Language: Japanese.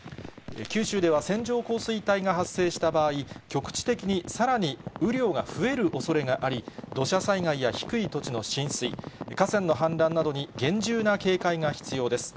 九州では、線状降水帯が発生した場合、局地的にさらに雨量が増えるおそれがあり、土砂災害や低い土地の浸水、河川の氾濫などに厳重な警戒が必要です。